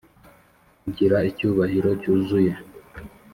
kugira icyubahiro cyuzuye,